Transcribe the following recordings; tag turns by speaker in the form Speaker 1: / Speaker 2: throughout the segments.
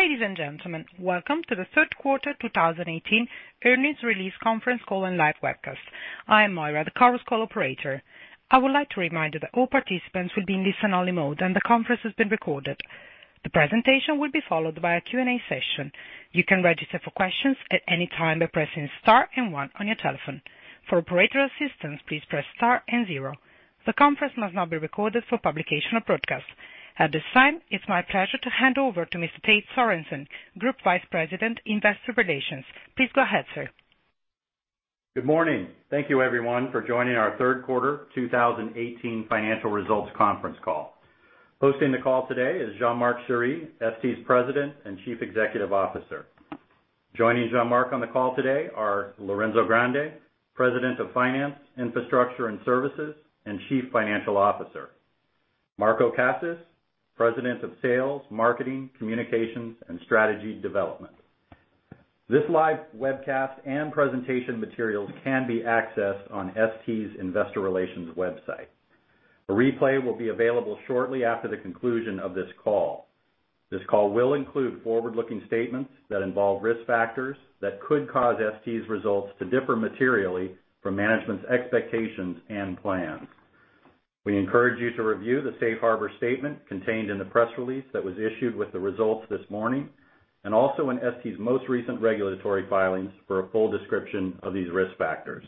Speaker 1: Ladies and gentlemen, welcome to the third quarter 2018 earnings release conference call and live webcast. I am Moira, the conference call operator. I would like to remind you that all participants will be in listen only mode and the conference is being recorded. The presentation will be followed by a Q&A session. You can register for questions at any time by pressing star and one on your telephone. For operator assistance, please press star and zero. The conference must not be recorded for publication or broadcast. At this time, it's my pleasure to hand over to Mr. Tait Sorensen, Group Vice President, Investor Relations. Please go ahead, sir.
Speaker 2: Good morning. Thank you everyone for joining our third quarter 2018 financial results conference call. Hosting the call today is Jean-Marc Chery, ST's President and Chief Executive Officer. Joining Jean-Marc on the call today are Lorenzo Grandi, President of Finance, Infrastructure and Services, and Chief Financial Officer. Marco Cassis, President of Sales, Marketing, Communications, and Strategy Development. This live webcast and presentation materials can be accessed on ST's investor relations website. A replay will be available shortly after the conclusion of this call. This call will include forward-looking statements that involve risk factors that could cause ST's results to differ materially from management's expectations and plans. We encourage you to review the safe harbor statement contained in the press release that was issued with the results this morning, and also in ST's most recent regulatory filings for a full description of these risk factors.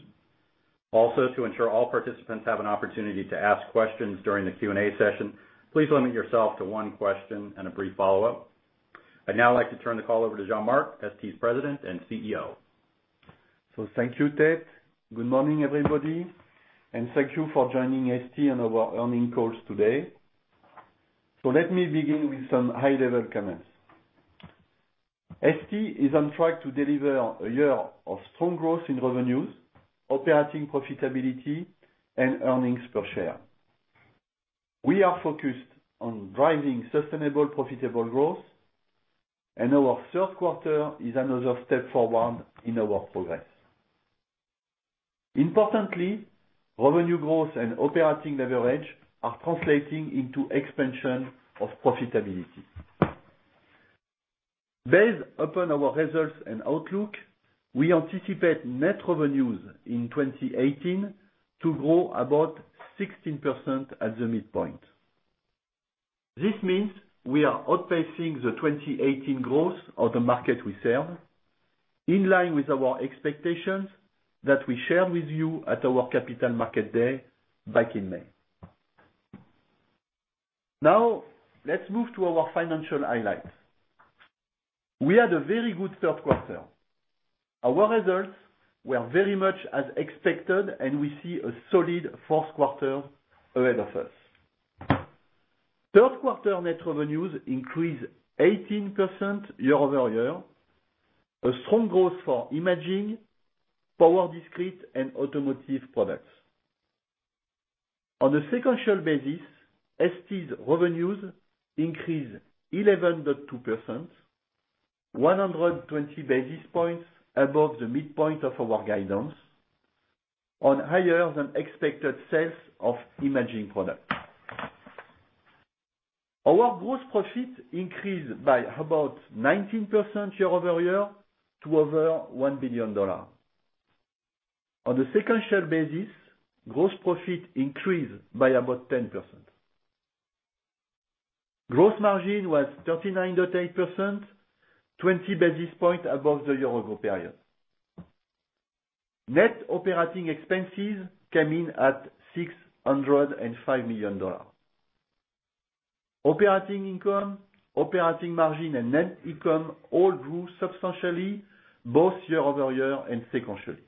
Speaker 2: To ensure all participants have an opportunity to ask questions during the Q&A session, please limit yourself to one question and a brief follow-up. I'd now like to turn the call over to Jean-Marc, ST's President and CEO.
Speaker 3: Thank you, Tait. Good morning, everybody, thank you for joining ST on our earning calls today. Let me begin with some high-level comments. ST is on track to deliver a year of strong growth in revenues, operating profitability, and earnings per share. We are focused on driving sustainable profitable growth, and our third quarter is another step forward in our progress. Importantly, revenue growth and operating leverage are translating into expansion of profitability. Based upon our results and outlook, we anticipate net revenues in 2018 to grow about 16% at the midpoint. This means we are outpacing the 2018 growth of the market we serve, in line with our expectations that we shared with you at our capital market day back in May. Let's move to our financial highlights. We had a very good third quarter. Our results were very much as expected. We see a solid fourth quarter ahead of us. Third quarter net revenues increased 18% year-over-year. Strong growth for imaging, power discrete, and automotive products. On a sequential basis, ST's revenues increased 11.2%, 120 basis points above the midpoint of our guidance, on higher than expected sales of imaging products. Our gross profit increased by about 19% year-over-year to over EUR 1 billion. On a sequential basis, gross profit increased by about 10%. Gross margin was 39.8%, 20 basis points above the year-ago period. Net operating expenses came in at EUR 605 million. Operating income, operating margin, and net income all grew substantially, both year-over-year and sequentially.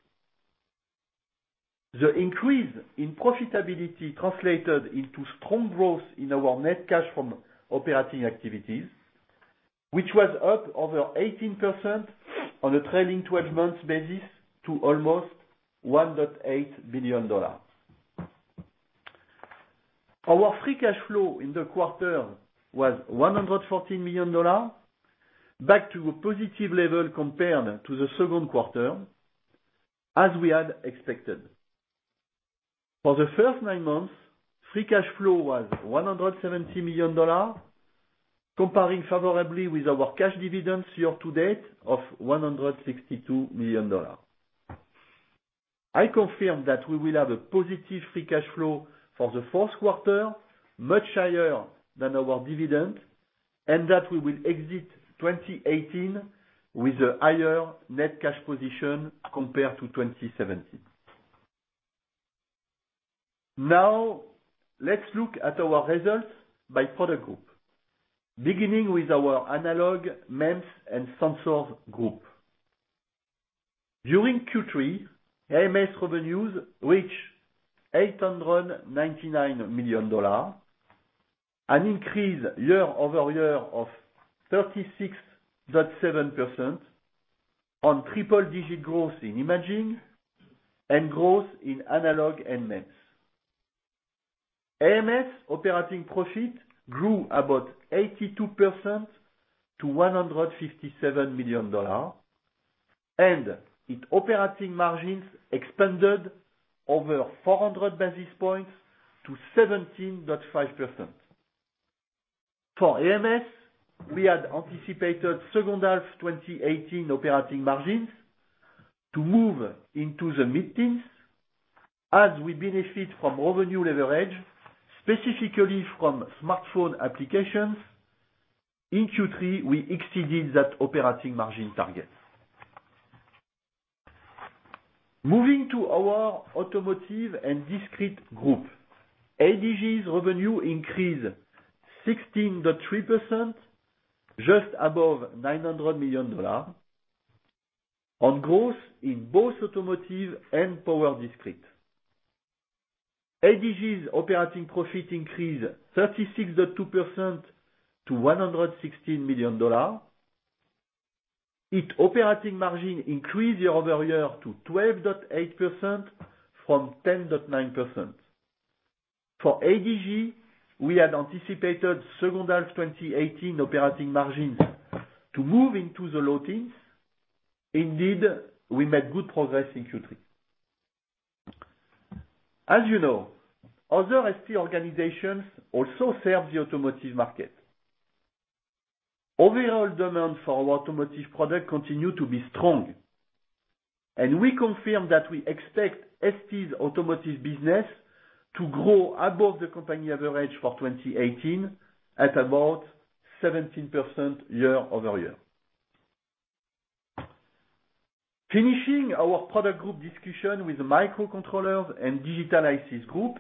Speaker 3: The increase in profitability translated into strong growth in our net cash from operating activities, which was up over 18% on a trailing 12 months basis to almost EUR 1.8 billion. Our free cash flow in the quarter was EUR 114 million, back to a positive level compared to the second quarter, as we had expected. For the first nine months, free cash flow was EUR 170 million, comparing favorably with our cash dividends year-to-date of EUR 162 million. I confirm that we will have a positive free cash flow for the fourth quarter, much higher than our dividend, and that we will exit 2018 with a higher net cash position compared to 2017. Now, let's look at our results by product group, beginning with our Analog, MEMS, and Sensors Group. During Q3, AMS revenues reached EUR 899 million, an increase year-over-year of 36.7% on triple digit growth in imaging and growth in analog and MEMS. AMS operating profit grew about 82% to EUR 157 million. Its operating margins expanded over 400 basis points to 17.5%. For AMS, we had anticipated second half 2018 operating margins to move into the mid-teens, as we benefit from revenue leverage, specifically from smartphone applications. In Q3, we exceeded that operating margin target. Moving to our Automotive and Discrete Group. ADG's revenue increased 16.3%, just above EUR 900 million, on growth in both automotive and power discrete. ADG's operating profit increased 36.2% to EUR 116 million. Its operating margin increased year-over-year to 12.8% from 10.9%. For ADG, we had anticipated second half 2018 operating margins to move into the low teens. Indeed, we made good progress in Q3. As you know, other ST organizations also serve the automotive market. Overall demand for our automotive products continues to be strong. We confirm that we expect ST's automotive business to grow above the company average for 2018 at about 17% year-over-year. Finishing our product group discussion with the Microcontrollers and Digital ICs Group.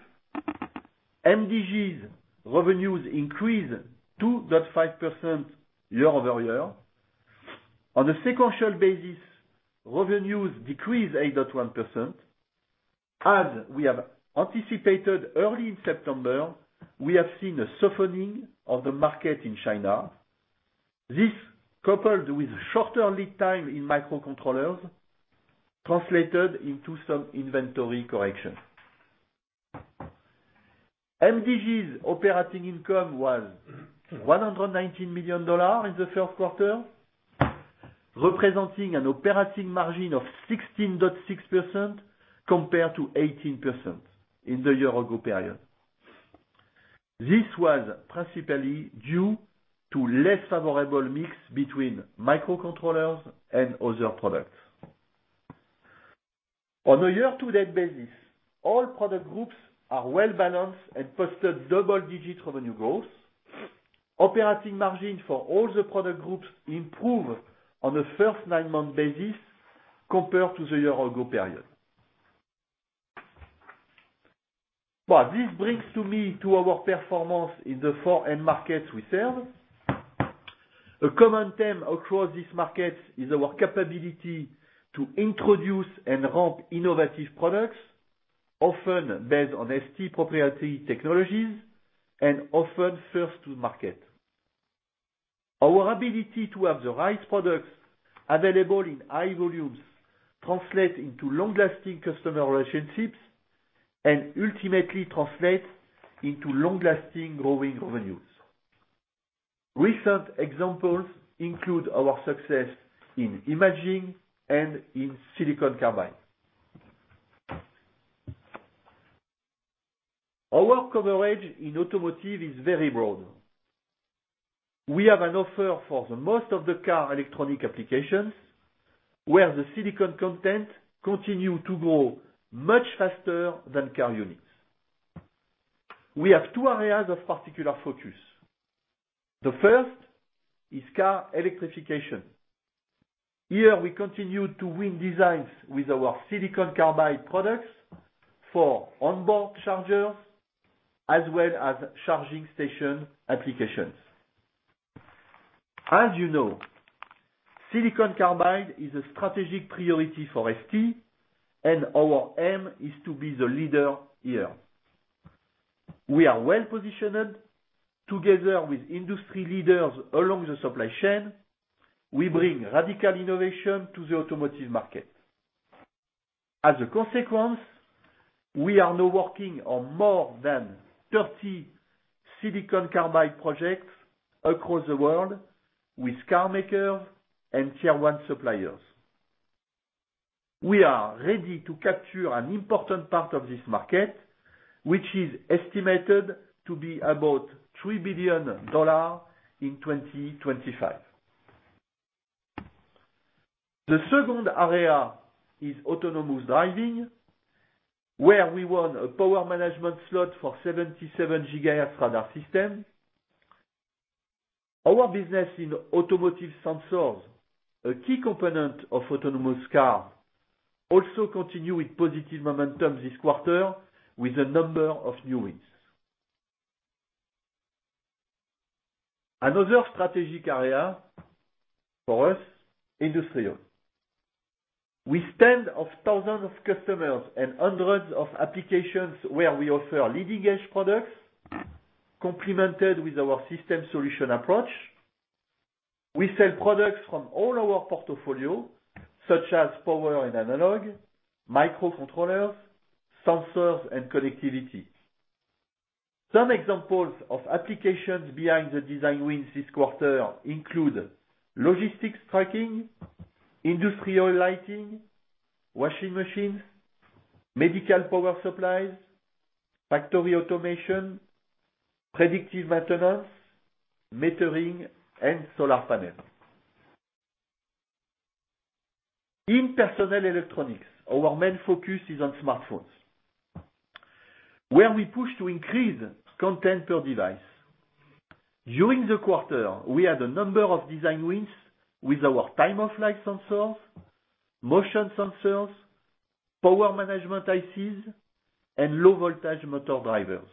Speaker 3: MDG's revenues increased 2.5% year-over-year. On a sequential basis, revenues decreased 8.1%. As we have anticipated early in September, we have seen a softening of the market in China. This, coupled with shorter lead time in microcontrollers, translated into some inventory correction. MDG's operating income was EUR 119 million in the third quarter, representing an operating margin of 16.6% compared to 18% in the year-ago period. This was principally due to less favorable mix between microcontrollers and other products. On a year-to-date basis, all product groups are well-balanced and posted double-digit revenue growth. Operating margin for all the product groups improved on a first nine-month basis compared to the year-ago period. This brings me to our performance in the four end markets we serve. A common theme across these markets is our capability to introduce and ramp innovative products, often based on ST proprietary technologies and often first to market. Our ability to have the right products available in high volumes translate into long-lasting customer relationships and ultimately translate into long-lasting growing revenues. Recent examples include our success in imaging and in silicon carbide. Our coverage in automotive is very broad. We have an offer for the most of the car electronic applications, where the silicon content continue to grow much faster than car units. We have two areas of particular focus. The first is car electrification. Here, we continue to win designs with our silicon carbide products for onboard chargers as well as charging station applications. As you know, silicon carbide is a strategic priority for ST, and our aim is to be the leader here. We are well-positioned. Together with industry leaders along the supply chain, we bring radical innovation to the automotive market. As a consequence, we are now working on more than 30 silicon carbide projects across the world with car makers and Tier 1 suppliers. We are ready to capture an important part of this market, which is estimated to be about EUR 3 billion in 2025. The second area is autonomous driving, where we won a power management slot for 77 GHz radar system. Our business in automotive sensors, a key component of autonomous car, also continue with positive momentum this quarter with a number of new wins. Another strategic area for us, industrial. We stand of thousands of customers and hundreds of applications where we offer leading-edge products, complemented with our system solution approach. We sell products from all our portfolio, such as power and analog, microcontrollers, sensors, and connectivity. Some examples of applications behind the design wins this quarter include logistics tracking, industrial lighting, washing machines, medical power supplies, factory automation, predictive maintenance, metering, and solar panels. In personal electronics, our main focus is on smartphones, where we push to increase content per device. During the quarter, we had a number of design wins with our Time-of-Flight sensors, motion sensors, power management ICs, and low voltage motor drivers.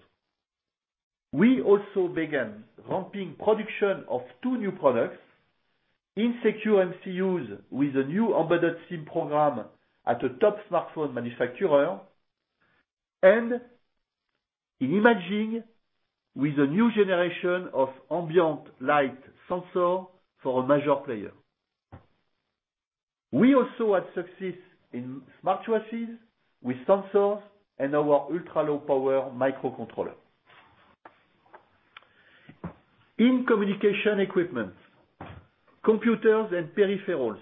Speaker 3: We also began ramping production of two new products in secure MCUs with a new embedded SIM program at a top smartphone manufacturer, and in imaging with a new generation of ambient light sensor for a major player. We also had success in smartwatches with sensors and our ultra-low power microcontroller. In communication equipment, computers, and peripherals,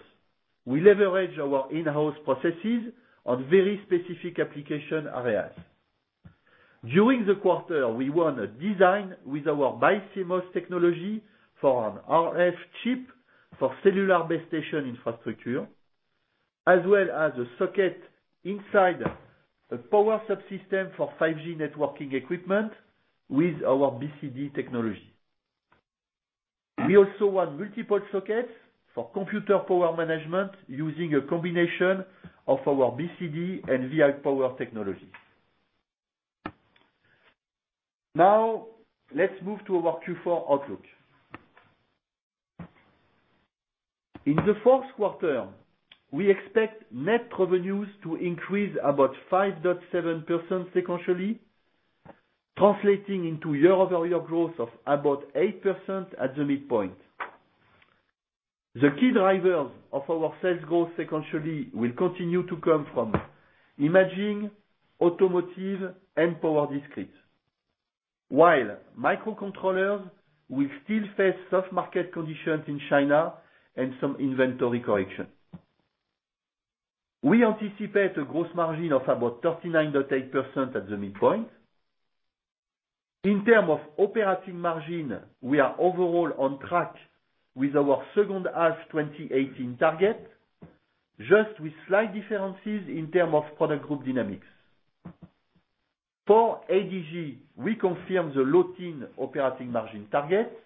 Speaker 3: we leverage our in-house processes on very specific application areas. During the quarter, we won a design with our BiCMOS technology for an RF chip for cellular base station infrastructure, as well as a socket inside a power subsystem for 5G networking equipment with our BCD technology. We also won multiple sockets for computer power management using a combination of our BCD and VIPower technologies. Let's move to our Q4 outlook. In the fourth quarter, we expect net revenues to increase about 5.7% sequentially, translating into year-over-year growth of about 8% at the midpoint. The key drivers of our sales growth sequentially will continue to come from imaging, automotive, and power discrete. Microcontrollers will still face soft market conditions in China and some inventory correction. We anticipate a gross margin of about 39.8% at the midpoint. In terms of operating margin, we are overall on track with our second half 2018 target, just with slight differences in terms of product group dynamics. For ADG, we confirm the low-teen operating margin target.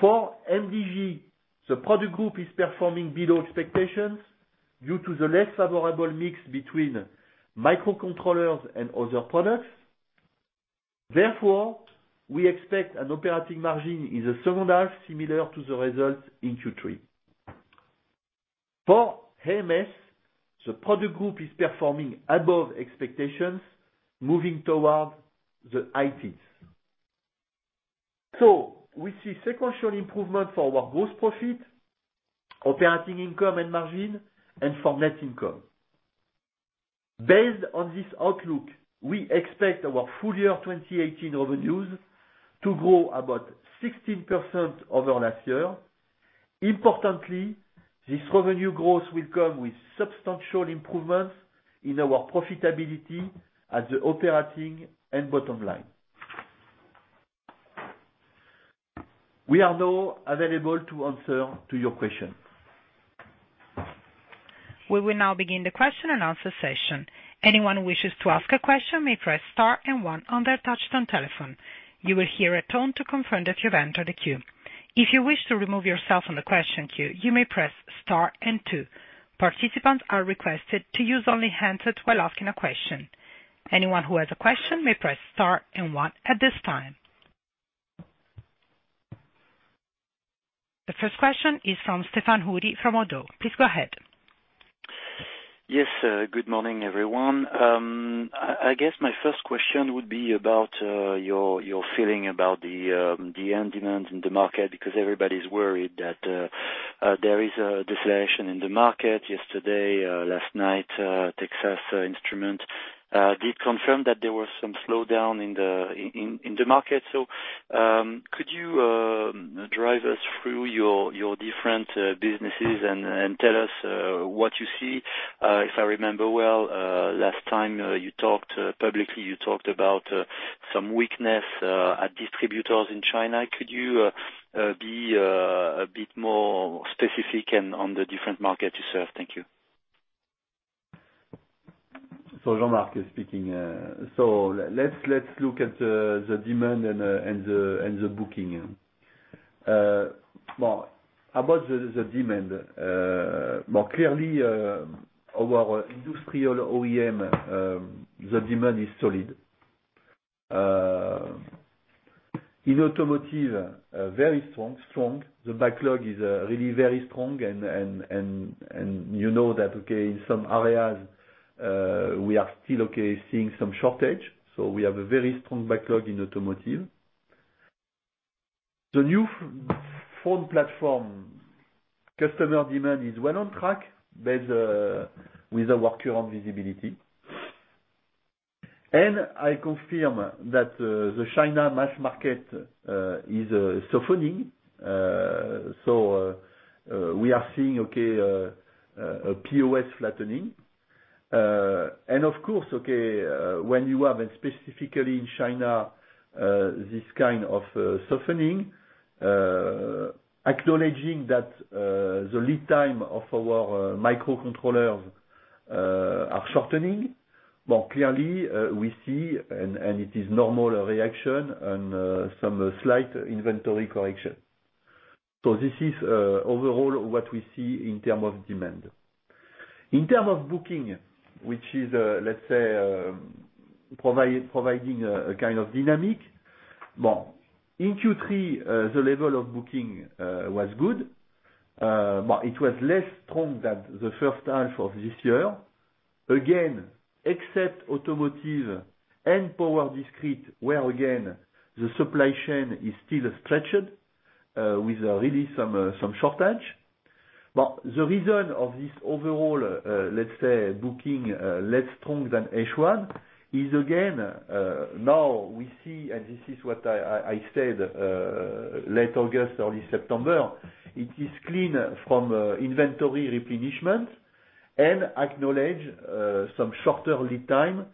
Speaker 3: For MDG, the product group is performing below expectations due to the less favorable mix between microcontrollers and other products. Therefore, we expect an operating margin in the second half similar to the result in Q3. For AMS, the product group is performing above expectations, moving toward the high teens. We see sequential improvement for our gross profit, operating income and margin, and for net income. Based on this outlook, we expect our full year 2018 revenues to grow about 16% over last year. Importantly, this revenue growth will come with substantial improvements in our profitability at the operating and bottom line. We are now available to answer to your questions.
Speaker 1: We will now begin the question and answer session. Anyone who wishes to ask a question may press star one on their touch-tone telephone. You will hear a tone to confirm that you have entered the queue. If you wish to remove yourself from the question queue, you may press star two. Participants are requested to use only handsets while asking a question. Anyone who has a question may press star one at this time. The first question is from Stéphane Houri from ODDO. Please go ahead.
Speaker 4: Yes. Good morning, everyone. I guess my first question would be about your feeling about the end demand in the market, because everybody's worried that there is a deflation in the market. Yesterday, last night, Texas Instruments did confirm that there was some slowdown in the market. Could you drive us through your different businesses and tell us what you see? If I remember well, last time you talked publicly, you talked about some weakness at distributors in China. Could you be a bit more specific on the different markets you serve? Thank you.
Speaker 3: Jean-Marc is speaking. Let's look at the demand and the booking. Well, about the demand. Well, clearly, our industrial OEM, the demand is solid. In automotive, very strong. The backlog is really very strong, and you know that, okay, in some areas, we are still okay seeing some shortage. We have a very strong backlog in automotive. The new phone platform customer demand is well on track with our current visibility. I confirm that the China mass market is softening. We are seeing a POS flattening. Of course, when you have, specifically in China, this kind of softening, acknowledging that the lead time of our microcontrollers are shortening, more clearly, we see, and it is normal reaction, and some slight inventory correction. This is overall what we see in term of demand. In terms of booking, which is, let's say, providing a kind of dynamic. In Q3, the level of booking was good. It was less strong than the first half of this year. Again, except automotive and power discrete, where again, the supply chain is still stretched, with really some shortage. The reason of this overall, let's say, booking less strong than H1, is again, now we see, and this is what I said late August, early September, it is clean from inventory replenishment and acknowledge some shorter lead time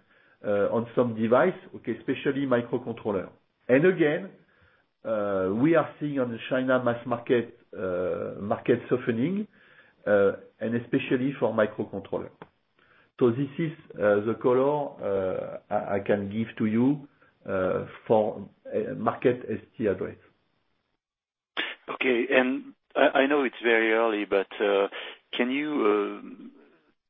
Speaker 3: on some device, especially microcontroller. Again, we are seeing on the China mass market softening, and especially for microcontroller. This is the color I can give to you for market ST address.
Speaker 4: Okay. I know it's very early, but can you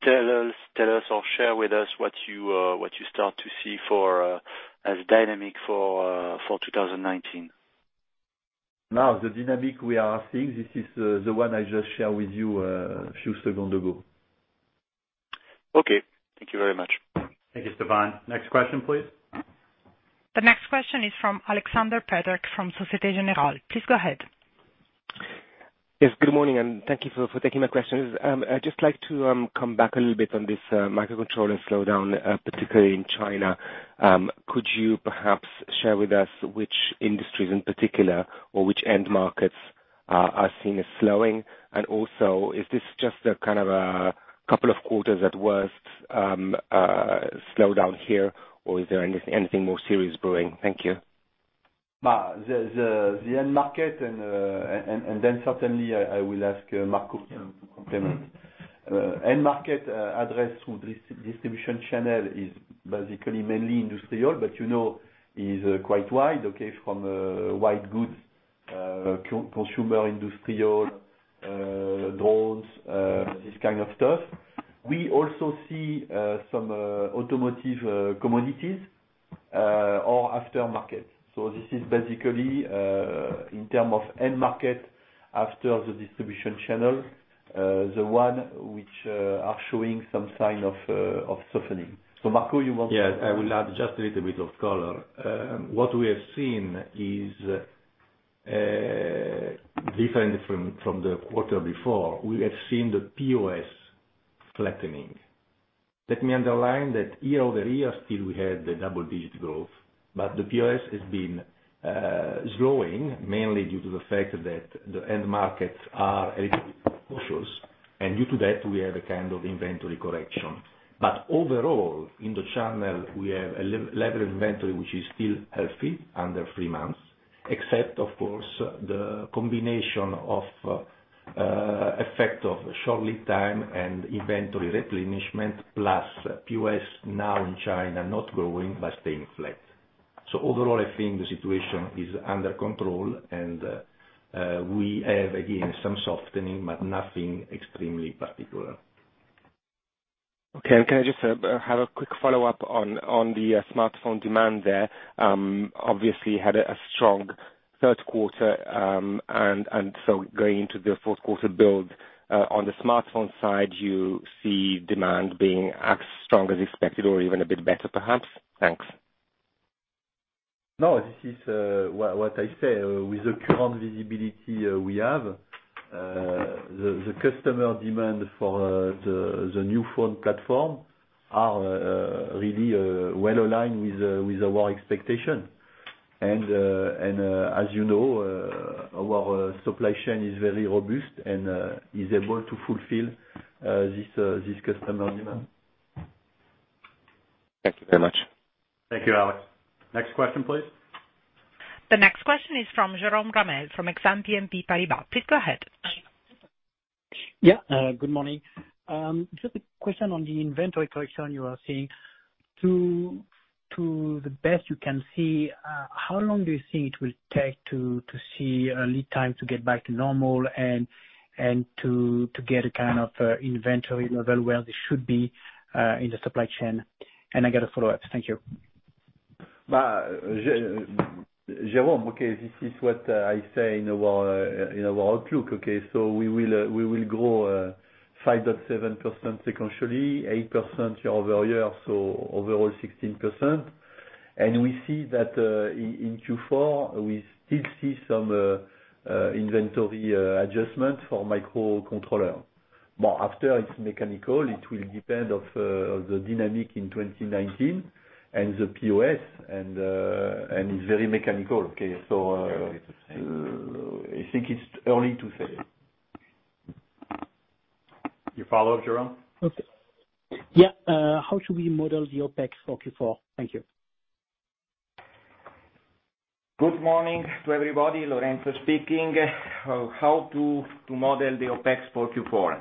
Speaker 4: tell us or share with us what you start to see for a dynamic for 2019?
Speaker 3: The dynamic we are seeing, this is the one I just shared with you a few seconds ago.
Speaker 4: Okay. Thank you very much.
Speaker 2: Thank you, Stéphane. Next question, please.
Speaker 1: The next question is from Aleksander Peterc from Société Générale. Please go ahead.
Speaker 5: Yes, good morning, and thank you for taking my questions. I'd just like to come back a little bit on this microcontroller slowdown, particularly in China. Could you perhaps share with us which industries in particular or which end markets are seen as slowing? Also, is this just a couple of quarters at worst slowdown here, or is there anything more serious brewing? Thank you.
Speaker 3: The end market, then certainly I will ask Marco to complement. End market address through distribution channel is basically mainly industrial, is quite wide. From white goods, consumer industrial, drones, this kind of stuff. We also see some automotive commodities or aftermarket. This is basically, in term of end market after the distribution channel, the one which are showing some sign of softening. Marco.
Speaker 6: Yes, I will add just a little bit of color. What we have seen is different from the quarter before. We have seen the POS flattening. Let me underline that year-over-year, still we had the double-digit growth, but the POS has been slowing, mainly due to the fact that the end markets are a little bit cautious. Due to that, we have a kind of inventory correction. Overall, in the channel, we have a level of inventory, which is still healthy, under three months. Except, of course, the combination of effect of short lead time and inventory replenishment, plus POS now in China not growing, but staying flat. Overall, I think the situation is under control, and we have again, some softening, but nothing extremely particular.
Speaker 5: Okay. Can I just have a quick follow-up on the smartphone demand there? Obviously, had a strong third quarter, going into the fourth quarter build, on the smartphone side, you see demand being as strong as expected or even a bit better, perhaps? Thanks.
Speaker 3: No, this is what I said. With the current visibility we have, the customer demand for the new phone platform are really well-aligned with our expectation. As you know, our supply chain is very robust and is able to fulfill this customer demand.
Speaker 5: Thank you very much.
Speaker 2: Thank you, Aleks. Next question please.
Speaker 1: The next question is from Jérôme Ramel from Exane BNP Paribas. Please go ahead.
Speaker 7: Yeah, good morning. Just a question on the inventory correction you are seeing. To the best you can see, how long do you think it will take to see a lead time to get back to normal and to get a kind of inventory level where they should be in the supply chain? I got a follow-up. Thank you.
Speaker 3: Jérôme, okay, this is what I say in our outlook. We will grow 5.7% sequentially, 8% year-over-year, overall 16%. We see that in Q4, we still see some inventory adjustment for microcontroller. After its mechanical, it will depend on the dynamic in 2019 and the POS and it's very mechanical. Okay. I think it's early to say.
Speaker 2: Your follow-up, Jérôme?
Speaker 7: Okay. Yeah. How should we model the OpEx for Q4? Thank you.
Speaker 8: Good morning to everybody, Lorenzo speaking. How to model the OpEx for Q4?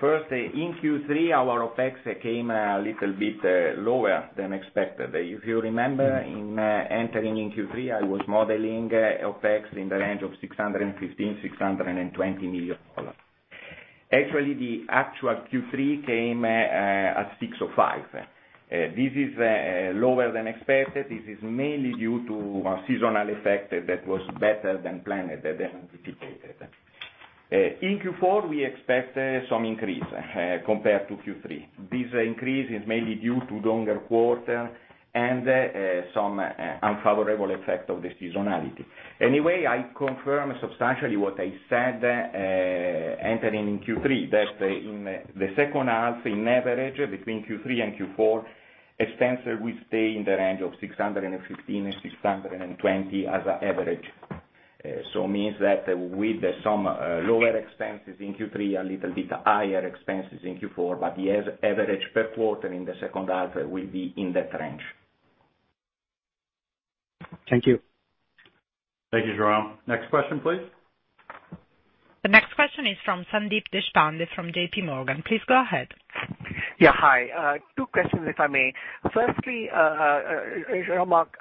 Speaker 8: First, in Q3, our OpEx came a little bit lower than expected. If you remember, entering in Q3, I was modeling OpEx in the range of 615 million, EUR 620 million. Actually, the actual Q3 came at 605 million. This is lower than expected. This is mainly due to a seasonal effect that was better than planned, than anticipated. In Q4, we expect some increase compared to Q3. This increase is mainly due to longer quarter and some unfavorable effect of the seasonality. Anyway, I confirm substantially what I said, entering in Q3, that in the second half, in average, between Q3 and Q4, expense will stay in the range of 615 million and 620 million as an average. Means that with some lower expenses in Q3, a little bit higher expenses in Q4, but the average per quarter in the second half will be in that range.
Speaker 7: Thank you.
Speaker 2: Thank you, Jérôme. Next question, please.
Speaker 1: The next question is from Sandeep Deshpande, from JPMorgan. Please go ahead.
Speaker 9: Hi. Two questions, if I may. Firstly, Jean-Marc,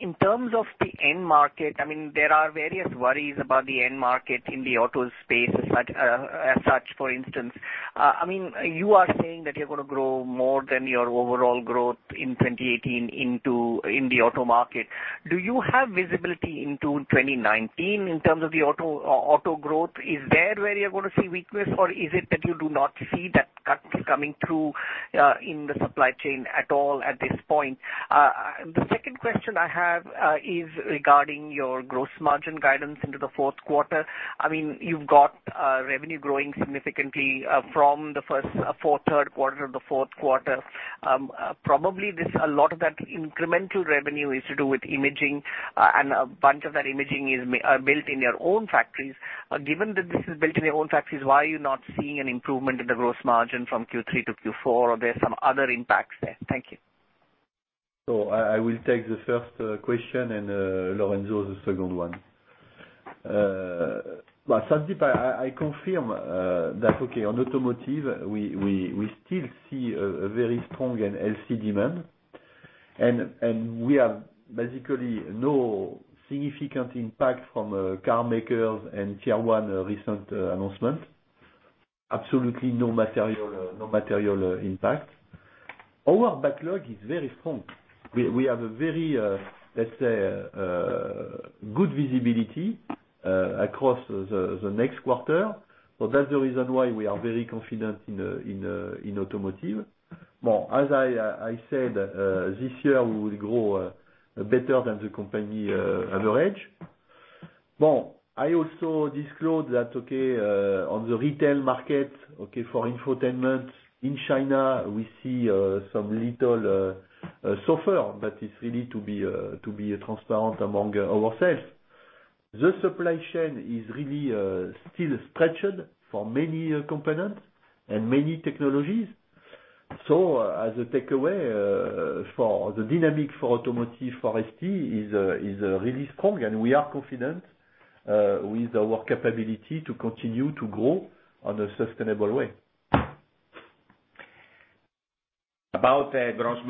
Speaker 9: in terms of the end market, there are various worries about the end market in the auto space as such, for instance. You are saying that you're going to grow more than your overall growth in 2018 in the auto market. Do you have visibility into 2019 in terms of the auto growth? Is there where you're going to see weakness, or is it that you do not see that cut coming through, in the supply chain at all at this point? The second question I have, is regarding your gross margin guidance into the fourth quarter. You've got revenue growing significantly from the first, third quarter to the fourth quarter. Probably a lot of that incremental revenue is to do with imaging, and a bunch of that imaging are built in your own factories. Given that this is built in your own factories, why are you not seeing an improvement in the gross margin from Q3 to Q4, or there is some other impacts there? Thank you.
Speaker 3: I will take the first question and, Lorenzo, the second one. Sandeep, I confirm that on automotive, we still see a very strong and healthy demand, and we have basically no significant impact from car makers and Tier 1 recent announcement. Absolutely no material impact. Our backlog is very strong. We have a very good visibility across the next quarter. That's the reason why we are very confident in automotive. As I said, this year, we will grow better than the company average. I also disclosed that on the retail market for infotainment in China, we see some little suffer that is really to be transparent among ourselves. The supply chain is really still stretched for many components and many technologies. As a takeaway, for the dynamic for automotive, for ST is really strong, and we are confident with our capability to continue to grow on a sustainable way.
Speaker 8: About the gross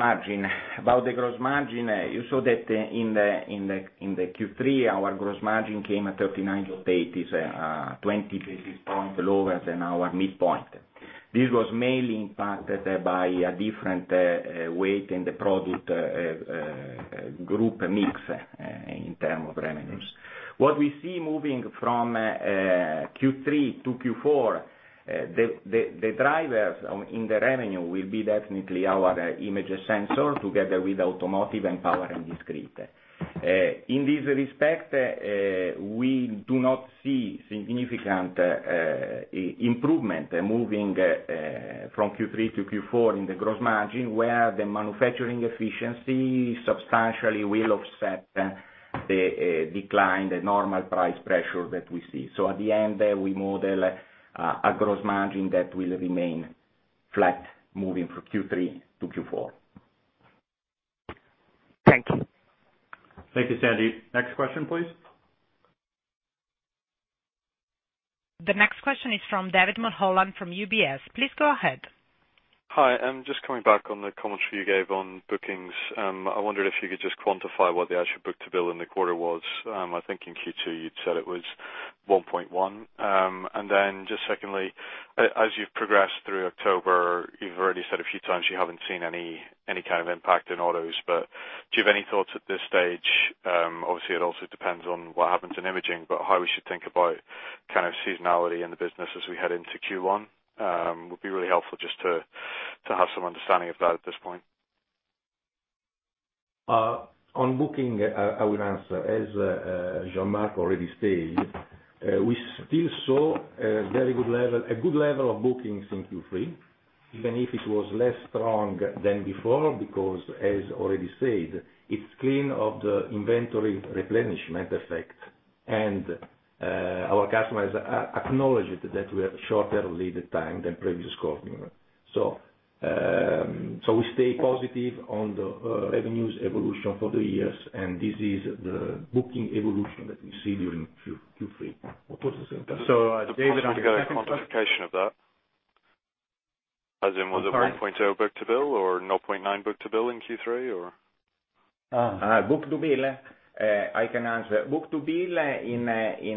Speaker 8: margin, you saw that in the Q3, our gross margin came at 39.8%. It's 20 basis points lower than our midpoint. This was mainly impacted by a different weight in the product group mix in terms of revenues. What we see moving from Q3 to Q4, the drivers in the revenue will be definitely our image sensor together with automotive and power and discrete. In this respect, we do not see significant improvement moving from Q3 to Q4 in the gross margin, where the manufacturing efficiency substantially will offset the decline, the normal price pressure that we see. At the end, we model a gross margin that will remain flat moving from Q3 to Q4.
Speaker 9: Thank you.
Speaker 2: Thank you, Sandeep. Next question, please.
Speaker 1: The next question is from David Mulholland from UBS. Please go ahead.
Speaker 10: Hi. Just coming back on the commentary you gave on bookings. I wondered if you could just quantify what the actual book-to-bill in the quarter was. I think in Q2 you'd said it was 1.1. Just secondly, as you've progressed through October, you've already said a few times you haven't seen any kind of impact in autos, but do you have any thoughts at this stage? Obviously, it also depends on what happens in imaging, but how we should think about kind of seasonality in the business as we head into Q1. Would be really helpful just to have some understanding of that at this point.
Speaker 8: On booking, I will answer. As Jean-Marc already stated, we still saw a good level of bookings in Q3, even if it was less strong than before, because as already said, it's clean of the inventory replenishment effect. Our customers acknowledged that we have shorter lead time than previous quarter. We stay positive on the revenues evolution for the years, and this is the booking evolution that we see during Q3.
Speaker 10: Is it possible to get a quantification of that? As in, was it-
Speaker 8: I'm sorry?
Speaker 10: 1.0 book-to-bill or 0.9 book-to-bill in Q3 or?
Speaker 8: Book-to-bill, I can answer. Book-to-bill in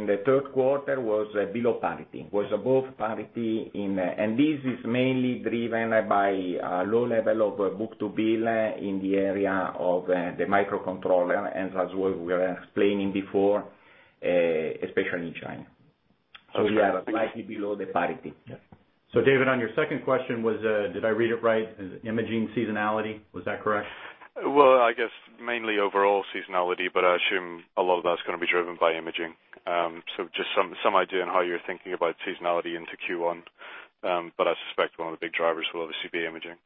Speaker 8: the third quarter was below parity, was above parity. This is mainly driven by a low level of book-to-bill in the area of the microcontroller, and that's what we were explaining before, especially in China. We are slightly below the parity.
Speaker 2: David, on your second question, did I read it right? Imaging seasonality, was that correct?
Speaker 10: I guess mainly overall seasonality, but I assume a lot of that's going to be driven by imaging. Just some idea on how you're thinking about seasonality into Q1. I suspect one of the big drivers will obviously be imaging.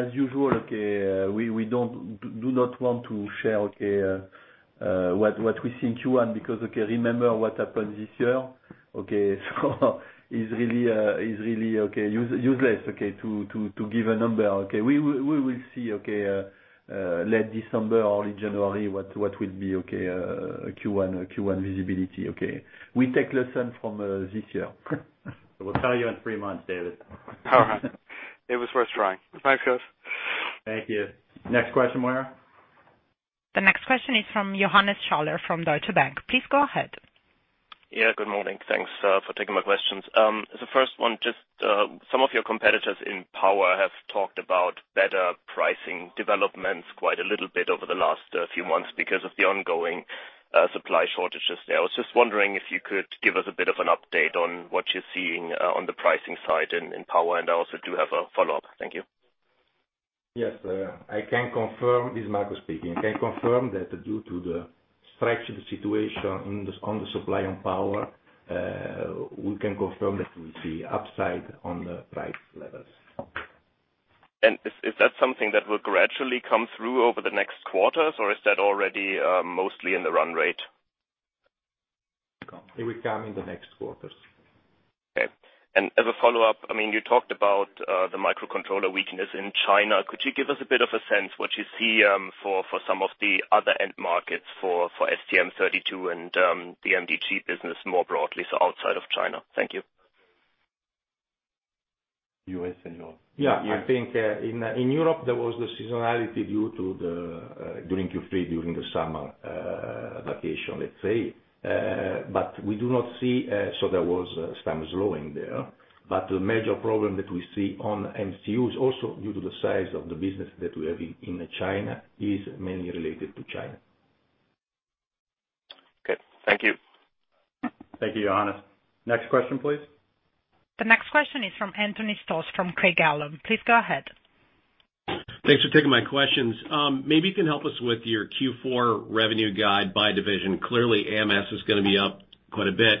Speaker 3: As usual, we do not want to share what we see in Q1 because remember what happened this year. It's really useless to give a number. We will see late December, early January, what will be Q1 visibility. We take lesson from this year.
Speaker 2: We'll tell you in three months, David.
Speaker 10: All right. It was worth trying. Thanks, guys.
Speaker 2: Thank you. Next question, Moira.
Speaker 1: The next question is from Johannes Schaller from Deutsche Bank. Please go ahead.
Speaker 11: Yeah, good morning. Thanks for taking my questions. The first one, just some of your competitors in power have talked about better pricing developments quite a little bit over the last few months because of the ongoing supply shortages there. I was just wondering if you could give us a bit of an update on what you're seeing on the pricing side in power. I also do have a follow-up. Thank you.
Speaker 6: Yes. This is Marco speaking. I can confirm that due to the stretched situation on the supply and power, we can confirm that we see upside on the price levels.
Speaker 11: Is that something that will gradually come through over the next quarters, or is that already mostly in the run rate?
Speaker 6: It will come in the next quarters.
Speaker 11: Okay. As a follow-up, you talked about the microcontroller weakness in China. Could you give us a bit of a sense what you see for some of the other end markets for STM32 and the MDG business more broadly, so outside of China? Thank you.
Speaker 3: U.S. and Europe.
Speaker 8: Yeah. I think, in Europe, there was the seasonality during Q3, during the summer vacation, let's say. There was some slowing there. The major problem that we see on MCUs, also due to the size of the business that we have in China, is mainly related to China.
Speaker 11: Okay. Thank you.
Speaker 2: Thank you, Johannes. Next question, please.
Speaker 1: The next question is from Anthony Stoss from Craig-Hallum. Please go ahead.
Speaker 12: Thanks for taking my questions. Maybe you can help us with your Q4 revenue guide by division. Clearly, AMS is going to be up quite a bit.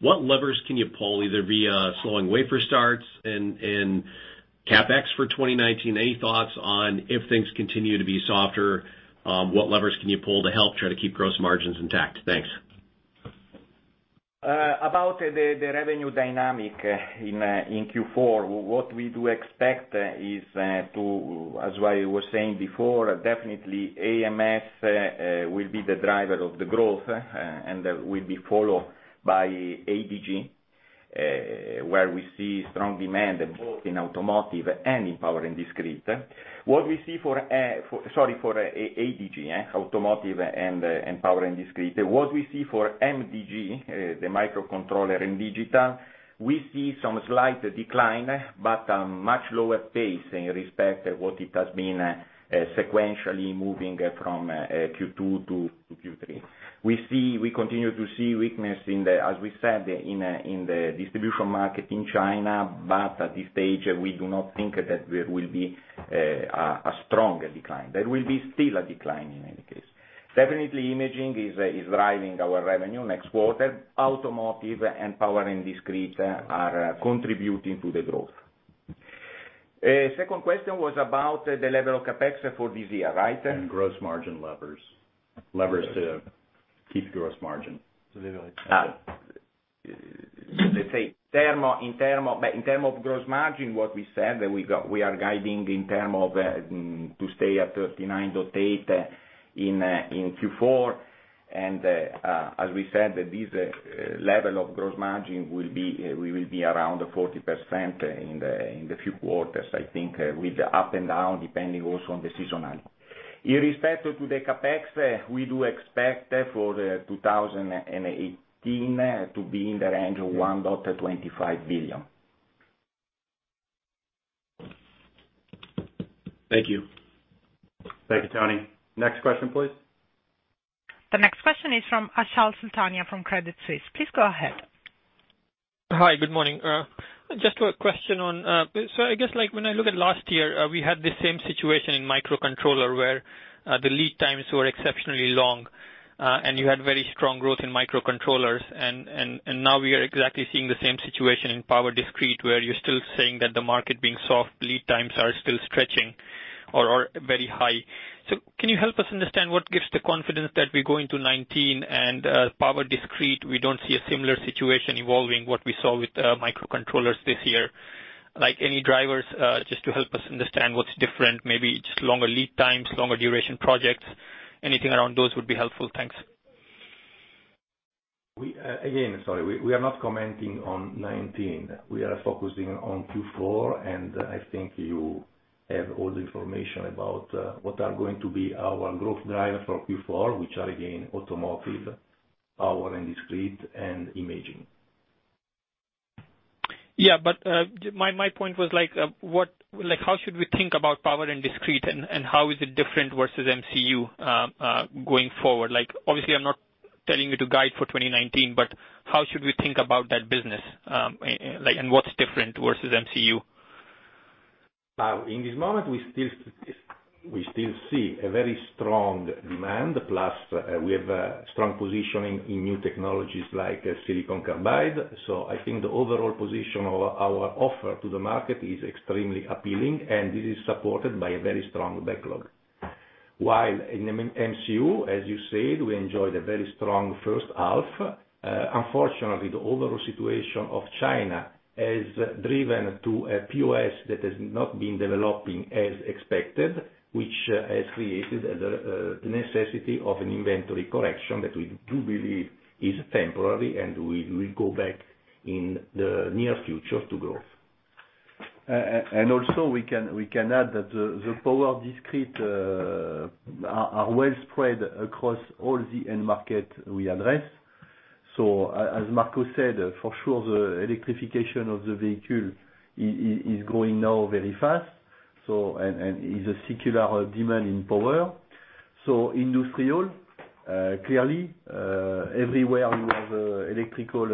Speaker 12: What levers can you pull, either via slowing wafer starts and CapEx for 2019? Any thoughts on if things continue to be softer, what levers can you pull to help try to keep gross margins intact? Thanks.
Speaker 8: About the revenue dynamic in Q4, what we do expect is to, as I was saying before, definitely AMS will be the driver of the growth, and that will be followed by ADG, where we see strong demand both in automotive and in power and discrete. What we see for-- Sorry, for ADG, automotive and power and discrete. What we see for MDG, the microcontroller and digital, we see some slight decline, but a much lower pace in respect to what it has been sequentially moving from Q2 to Q3. We continue to see weakness, as we said, in the distribution market in China. At this stage, we do not think that there will be a strong decline. There will be still a decline in any case. Definitely imaging is driving our revenue next quarter. Automotive and power and discrete are contributing to the growth. Second question was about the level of CapEx for this year, right?
Speaker 2: Gross margin levers. Levers to keep gross margin.
Speaker 3: To leverage. Let's say, in term of gross margin, what we said, that we are guiding in term of to stay at 39.8 in Q4. As we said, this level of gross margin will be around 40% in the few quarters, I think, with up and down, depending also on the seasonality.
Speaker 6: Irrespective to the CapEx, we do expect for 2018 to be in the range of 1.25 billion.
Speaker 12: Thank you.
Speaker 2: Thank you, Tony. Next question, please.
Speaker 1: The next question is from Achal Sultania from Credit Suisse. Please go ahead.
Speaker 13: Hi. Good morning. Just a question on. I guess when I look at last year, we had the same situation in microcontroller where the lead times were exceptionally long, and you had very strong growth in microcontrollers and now we are exactly seeing the same situation in power discrete where you're still saying that the market being soft, lead times are still stretching or are very high. Can you help us understand what gives the confidence that we go into 2019 and power discrete, we don't see a similar situation evolving what we saw with microcontrollers this year? Any drivers, just to help us understand what's different, maybe just longer lead times, longer duration projects? Anything around those would be helpful. Thanks.
Speaker 6: Again, sorry, we are not commenting on 2019. We are focusing on Q4. I think you have all the information about what are going to be our growth drivers for Q4, which are again, automotive, power and discrete and imaging.
Speaker 13: My point was how should we think about power and discrete and how is it different versus MCU, going forward? Obviously, I'm not telling you to guide for 2019. How should we think about that business, and what's different versus MCU?
Speaker 6: In this moment, we still see a very strong demand, plus we have a strong positioning in new technologies like silicon carbide. I think the overall position of our offer to the market is extremely appealing, and it is supported by a very strong backlog. While in MCU, as you said, we enjoyed a very strong first half. Unfortunately, the overall situation of China has driven to a POS that has not been developing as expected, which has created the necessity of an inventory correction that we do believe is temporary, and we will go back in the near future to growth.
Speaker 3: Also we can add that the power discrete are well spread across all the end market we address. As Marco said, for sure the electrification of the vehicle is growing now very fast, and is a secular demand in power. Industrial, clearly, everywhere you have electrical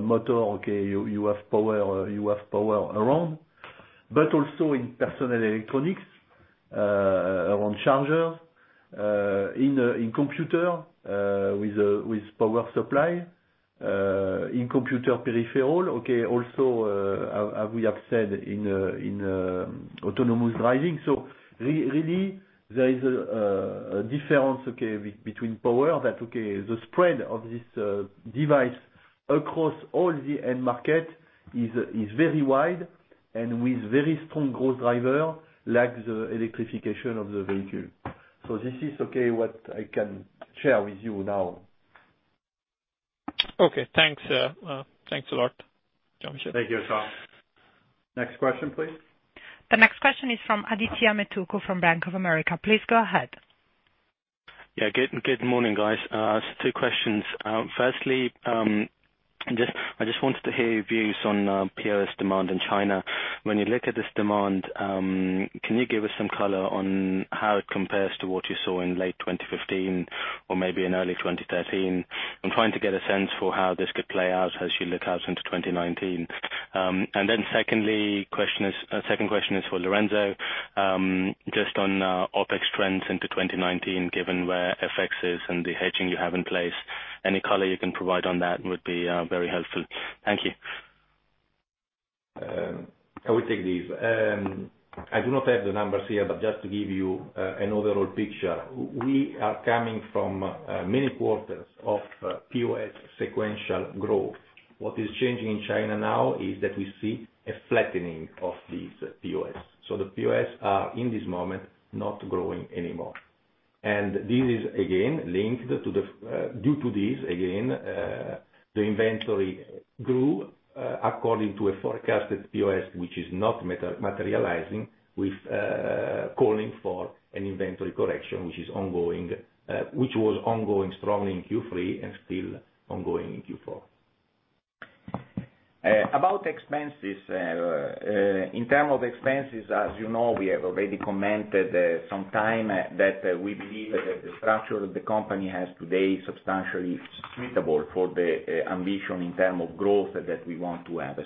Speaker 3: motor, okay, you have power around. Also in personal electronics, around chargers, in computer, with power supply, in computer peripheral, okay? Also, as we have said, in autonomous driving. Really there is a difference, okay, between power that, okay, the spread of this device across all the end market is very wide and with very strong growth driver like the electrification of the vehicle. This is, okay, what I can share with you now.
Speaker 13: Okay. Thanks. Thanks a lot, Jean-Marc.
Speaker 2: Thank you, Achal. Next question, please.
Speaker 1: The next question is from Adithya Metuku from Bank of America. Please go ahead.
Speaker 14: Good morning, guys. 2 questions. Firstly, I just wanted to hear your views on POS demand in China. When you look at this demand, can you give us some color on how it compares to what you saw in late 2015 or maybe in early 2013? I'm trying to get a sense for how this could play out as you look out into 2019. Second question is for Lorenzo, just on OpEx trends into 2019, given where FX is and the hedging you have in place. Any color you can provide on that would be very helpful. Thank you.
Speaker 6: I will take this. I do not have the numbers here, just to give you an overall picture. We are coming from many quarters of POS sequential growth. What is changing in China now is that we see a flattening of this POS. The POS are in this moment, not growing anymore. This is, due to this, again, the inventory grew, according to a forecasted POS, which is not materializing with, calling for an inventory correction, which was ongoing strongly in Q3 and still ongoing in Q4.
Speaker 8: About expenses. In term of expenses, as you know, we have already commented, sometimes that we believe that the structure the company has today is substantially suitable for the ambition in term of growth that we want to have.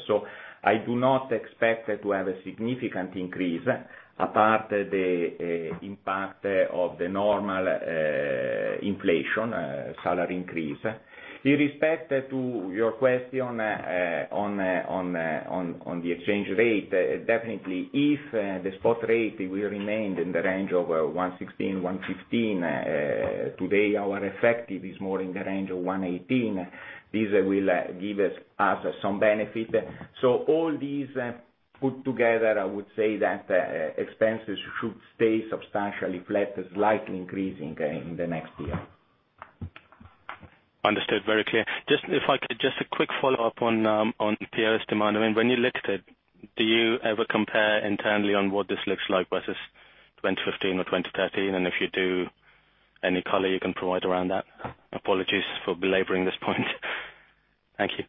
Speaker 8: I do not expect to have a significant increase apart the impact of the normal inflation, salary increase. In respect to your question, on the exchange rate, definitely if the spot rate will remain in the range of 116, 115, today our effective is more in the range of 118. This will give us some benefit. All these put together, I would say that expenses should stay substantially flat, slightly increasing in the next year.
Speaker 14: Understood. Very clear. If I could, just a quick follow-up on POS demand. When you looked at it, do you ever compare internally on what this looks like versus 2015 or 2013? If you do, any color you can provide around that? Apologies for belaboring this point. Thank you.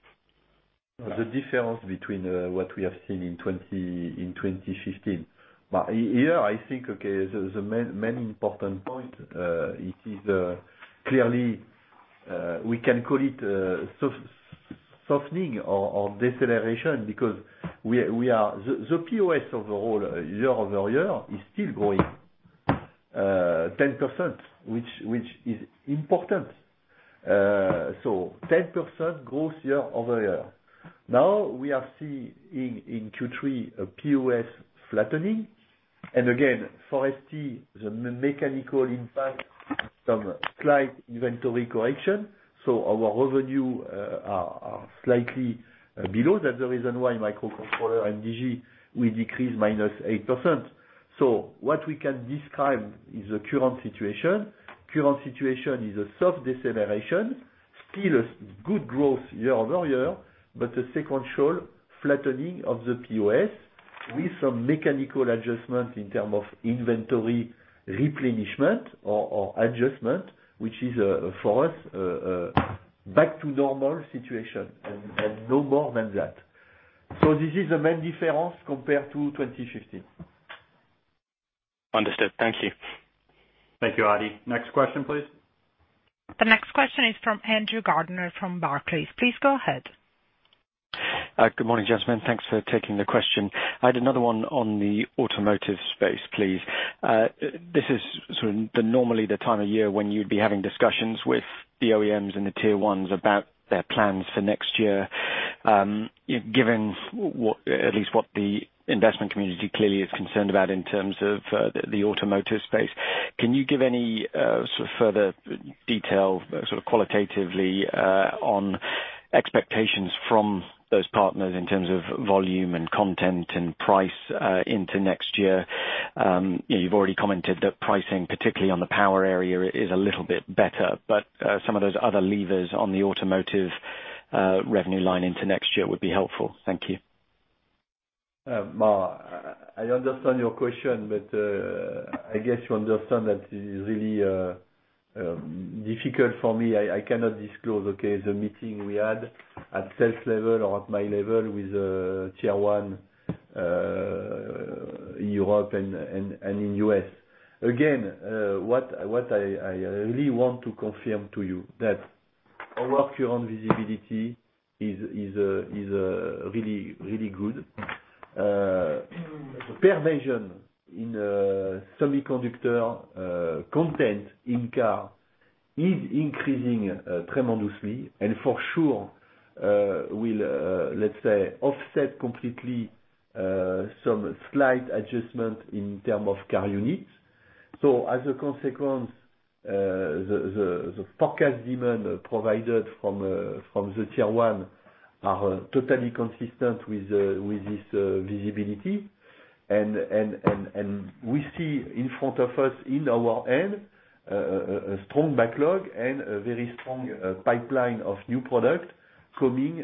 Speaker 3: The difference between what we have seen in 2015. Here, I think, the main important point, it is clearly, we can call it softening or deceleration because the POS overall, year-over-year, is still growing 10%, which is important. 10% growth year-over-year. Now we are seeing in Q3 a POS flattening. Again, for ST, the mechanical impact from slight inventory correction. Our revenue are slightly below. That's the reason why microcontroller and DG will decrease -8%. What we can describe is the current situation. Current situation is a soft deceleration, still a good growth year-over-year, but a sequential flattening of the POS with some mechanical adjustments in terms of inventory replenishment or adjustment, which is, for us, back to normal situation and no more than that. This is the main difference compared to 2015.
Speaker 14: Understood. Thank you.
Speaker 2: Thank you, Adi. Next question, please.
Speaker 1: The next question is from Andrew Gardiner from Barclays. Please go ahead.
Speaker 15: Good morning, gentlemen. Thanks for taking the question. I had another one on the automotive space, please. This is sort of normally the time of year when you'd be having discussions with the OEMs and the Tier 1s about their plans for next year. Given at least what the investment community clearly is concerned about in terms of the automotive space, can you give any sort of further detail, sort of qualitatively, on expectations from those partners in terms of volume and content and price into next year? You've already commented that pricing, particularly on the power area, is a little bit better, but some of those other levers on the automotive revenue line into next year would be helpful. Thank you.
Speaker 3: Mark, I understand your question. I guess you understand that it is really difficult for me. I cannot disclose, okay, the meeting we had at sales level or at my level with Tier 1, Europe and in U.S. What I really want to confirm to you that our current visibility is really good. The penetration in semiconductor content in car is increasing tremendously and for sure will, let's say, offset completely some slight adjustment in term of car units. As a consequence, the forecast demand provided from the Tier 1 are totally consistent with this visibility. We see in front of us in our end, a strong backlog and a very strong pipeline of new product coming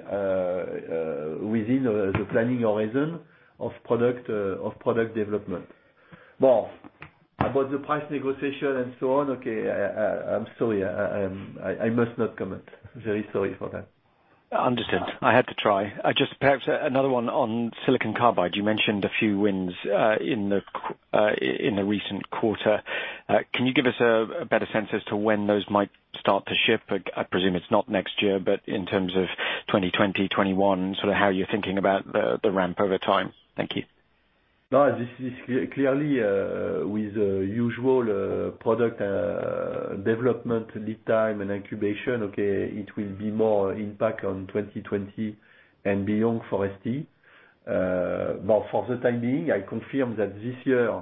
Speaker 3: within the planning horizon of product development. Mark, about the price negotiation and so on, okay, I'm sorry, I must not comment. Very sorry for that.
Speaker 15: Understood. I had to try. Just perhaps another one on silicon carbide. You mentioned a few wins in the recent quarter. Can you give us a better sense as to when those might start to ship? I presume it's not next year, but in terms of 2020, 2021, sort of how you're thinking about the ramp over time. Thank you.
Speaker 3: This is clearly with usual product development lead time and incubation, okay, it will be more impact on 2020 and beyond for ST. For the time being, I confirm that this year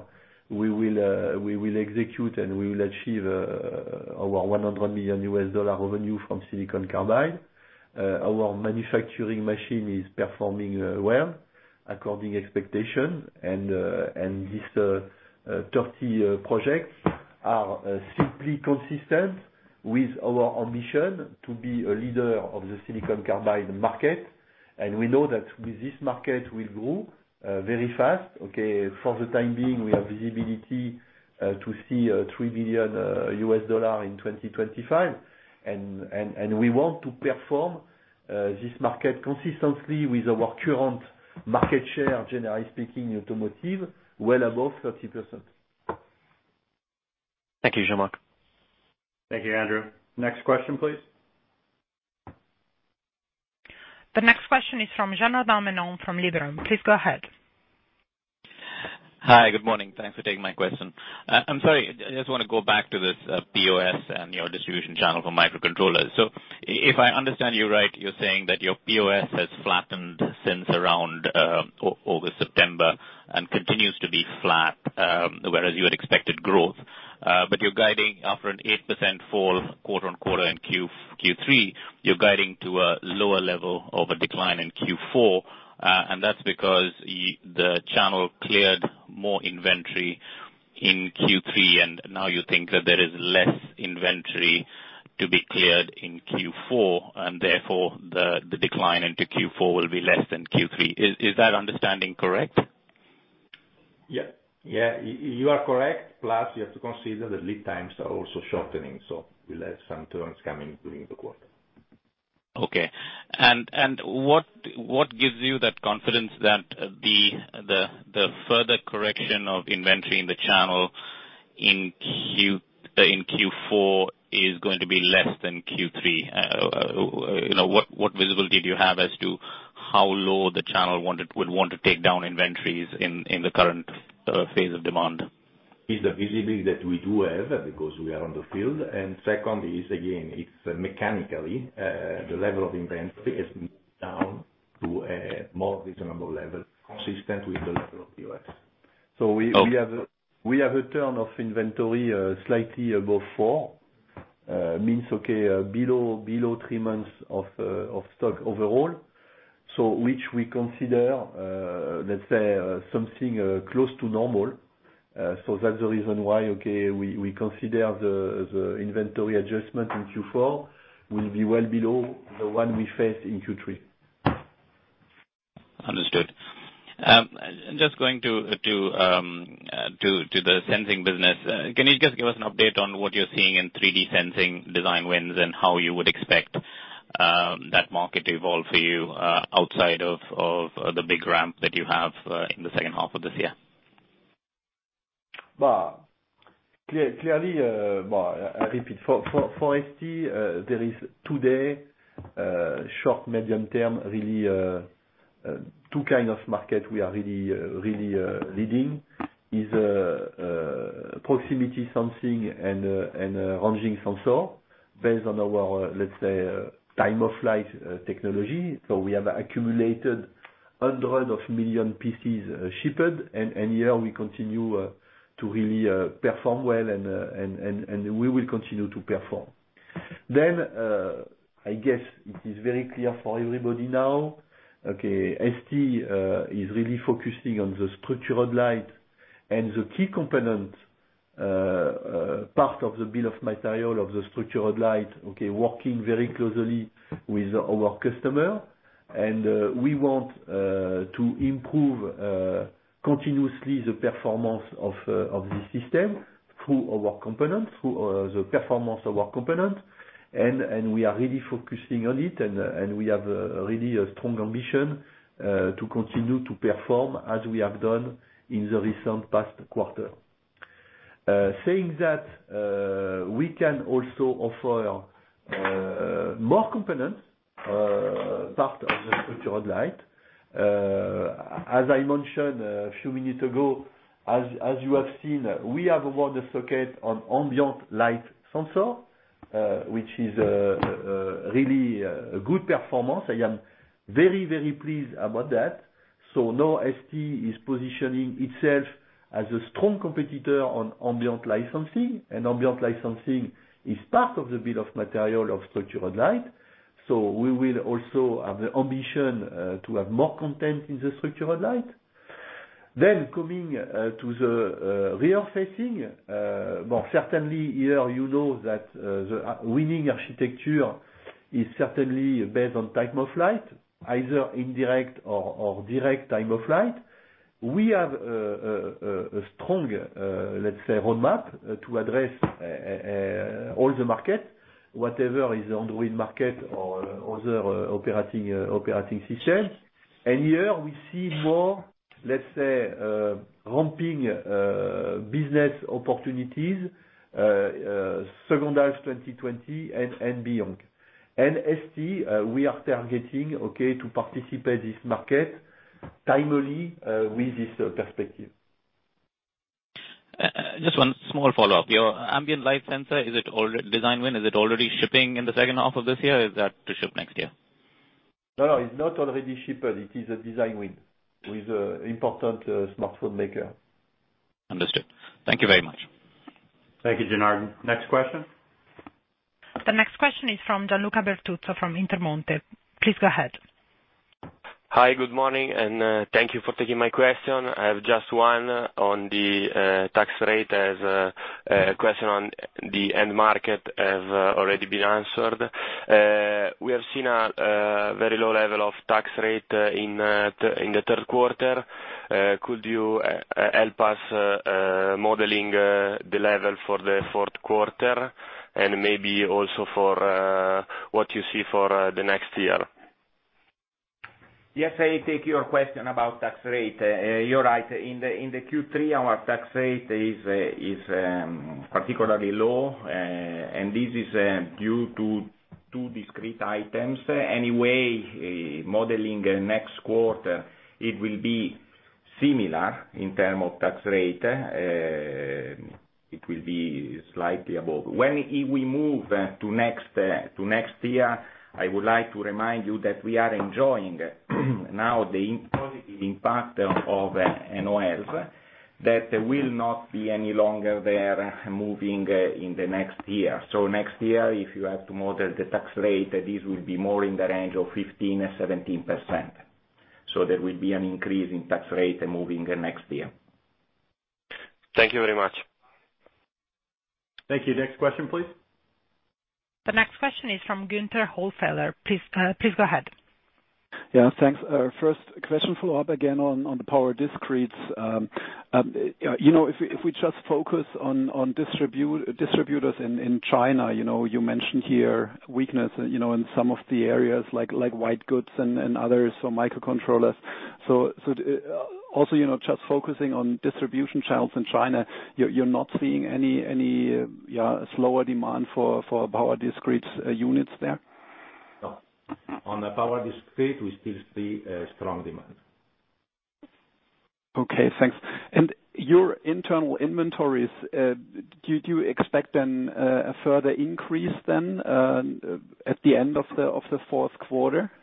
Speaker 3: we will execute and we will achieve our $100 million revenue from silicon carbide. Our manufacturing machine is performing well according expectation, and these 30 projects are simply consistent with our ambition to be a leader of the silicon carbide market. We know that with this market will grow very fast, okay. For the time being, we have visibility to see $3 billion in 2025, and we want to perform this market consistently with our current market share, generally speaking, automotive well above 30%.
Speaker 15: Thank you, Jean-Marc.
Speaker 2: Thank you, Andrew. Next question, please.
Speaker 1: The next question is from Janardan Menon from Liberum. Please go ahead.
Speaker 16: Hi. Good morning. Thanks for taking my question. I'm sorry, I just want to go back to this POS and your distribution channel for microcontrollers. If I understand you right, you're saying that your POS has flattened since around over September and continues to be flat, whereas you had expected growth. You're guiding after an 8% fall quarter-on-quarter in Q3, you're guiding to a lower level of a decline in Q4. That's because the channel cleared more inventory in Q3, and now you think that there is less inventory to be cleared in Q4, and therefore the decline into Q4 will be less than Q3. Is that understanding correct?
Speaker 6: Yes. You are correct. You have to consider the lead times are also shortening, so we will have some turns coming during the quarter.
Speaker 16: Okay. What gives you that confidence that the further correction of inventory in the channel in Q4 is going to be less than Q3? What visibility do you have as to how low the channel would want to take down inventories in the current phase of demand?
Speaker 6: The visibility that we do have, because we are on the field, and second is, again, it is mechanically, the level of inventory has moved down to a more reasonable level consistent with the level of U.S. We have a turn of inventory, slightly above four. Means okay below three months of stock overall. Which we consider, let us say, something close to normal. That is the reason why, okay, we consider the inventory adjustment in Q4 will be well below the one we faced in Q3.
Speaker 16: Understood. Just going to the sensing business, can you just give us an update on what you are seeing in 3D sensing design wins and how you would expect that market to evolve for you, outside of the big ramp that you have in the second half of this year?
Speaker 3: Clearly, I repeat, for ST, there is today, short, medium term, really two kinds of market we are really leading. It is proximity sensing and ranging sensor based on our, let's say, Time-of-Flight technology. We have accumulated hundreds of million pieces shipped. Year we continue to really perform well and we will continue to perform. I guess it is very clear for everybody now, ST is really focusing on the structured light and the key component, part of the bill of material of the structured light, working very closely with our customer. We want to improve continuously the performance of the system through our component, through the performance of our component. We are really focusing on it, and we have really a strong ambition to continue to perform as we have done in the recent past quarter. Saying that, we can also offer more components, part of the structured light. As I mentioned a few minutes ago, as you have seen, we have awarded a circuit on ambient light sensor, which is really a good performance. I am very, very pleased about that. Now ST is positioning itself as a strong competitor on ambient light sensing. Ambient light sensing is part of the bill of material of structured light. We will also have the ambition to have more content in the structured light. Coming to the rear facing. Certainly here you know that the winning architecture is certainly based on Time-of-Flight, either indirect or direct Time-of-Flight. We have a strong, let's say, roadmap to address all the market, whatever is Android market or other operating systems. Here we see more, let's say, ramping business opportunities second half 2020 and beyond. ST, we are targeting to participate this market timely, with this perspective.
Speaker 16: Just one small follow-up. Your ambient light sensor design win, is it already shipping in the second half of this year? Is that to ship next year?
Speaker 3: No, it's not already shipped. It is a design win with important smartphone maker.
Speaker 16: Understood. Thank you very much.
Speaker 2: Thank you, Janardan. Next question.
Speaker 1: The next question is from Gianluca Bertuzzo, from Intermonte. Please go ahead.
Speaker 17: Hi, good morning, and thank you for taking my question. I have just one on the tax rate as a question on the end market has already been answered. We have seen a very low level of tax rate in the third quarter. Could you help us modeling the level for the fourth quarter? Maybe also for what you see for the next year?
Speaker 8: Yes, I take your question about tax rate. You're right. In the Q3, our tax rate is particularly low, and this is due to two discrete items. Anyway, modeling next quarter, it will be similar in terms of tax rate. It will be slightly above. When we move to next year, I would like to remind you that we are enjoying now the positive impact of NOLs, that will not be any longer there moving in the next year. Next year, if you have to model the tax rate, this will be more in the range of 15%-17%. There will be an increase in tax rate moving next year.
Speaker 17: Thank you very much.
Speaker 2: Thank you. Next question, please.
Speaker 1: The next question is from Günther Hollfelder. Please go ahead.
Speaker 18: Thanks. First question, follow up again on the power discretes. If we just focus on distributors in China, you mentioned here weakness in some of the areas like white goods and others, microcontrollers. Also, just focusing on distribution channels in China, you are not seeing any slower demand for power discrete units there?
Speaker 8: No. On the power discrete, we still see a strong demand.
Speaker 18: Okay, thanks. Your internal inventories, do you expect then a further increase then at the end of the fourth quarter due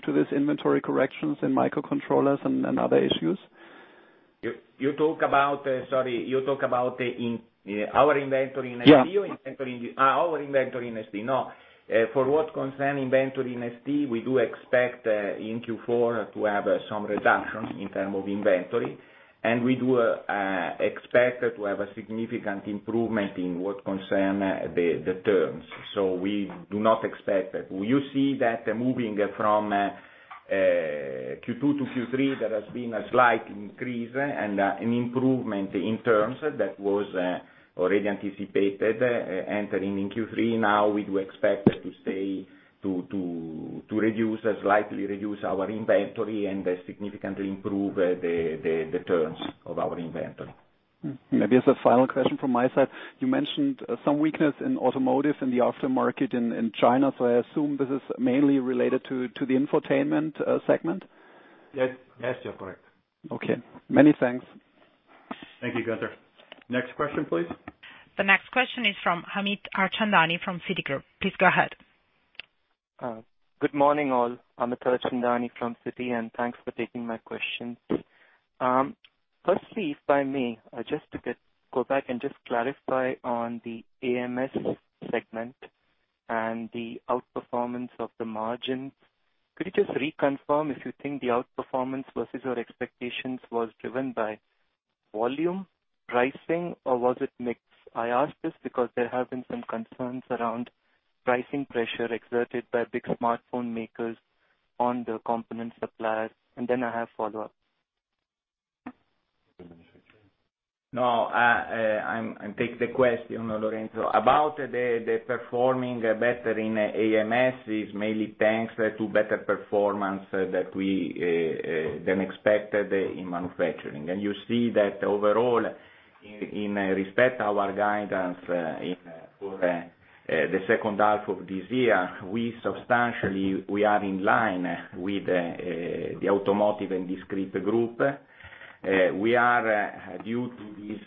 Speaker 18: to this inventory corrections in microcontrollers and other issues?
Speaker 8: Sorry, you talk about our inventory in ST?
Speaker 18: Yeah.
Speaker 8: Our inventory in ST. No. For what concern inventory in ST, we do expect, in Q4, to have some reductions in term of inventory, and we do expect to have a significant improvement in what concern the terms. We do not expect that. You see that moving from Q2 to Q3, there has been a slight increase and an improvement in terms that was already anticipated entering in Q3. Now, we do expect to slightly reduce our inventory and significantly improve the terms of our inventory.
Speaker 18: Maybe as a final question from my side. You mentioned some weakness in automotive in the after-market in China, I assume this is mainly related to the infotainment segment?
Speaker 8: Yes, you're correct.
Speaker 18: Okay. Many thanks.
Speaker 2: Thank you, Günther. Next question, please.
Speaker 1: The next question is from Amit Harchandani from Citigroup. Please go ahead.
Speaker 19: Good morning, all. I'm Amit Harchandani from Citi, thanks for taking my questions. If I may, just to go back and just clarify on the AMS segment and the outperformance of the margins. Could you just reconfirm if you think the outperformance versus your expectations was driven by volume pricing, or was it mix? I ask this because there have been some concerns around pricing pressure exerted by big smartphone makers on the component suppliers. I have follow-ups.
Speaker 8: No, I take the question, Lorenzo. About the performing better in AMS is mainly thanks to better performance than expected in manufacturing. You see that overall, in respect our guidance for the second half of this year, we are in line with the automotive and discrete group. We are, due to this